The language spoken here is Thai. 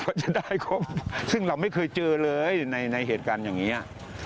ก็จะได้ครบซึ่งเราไม่เคยเจอเลยในเหตุการณ์อย่างนี้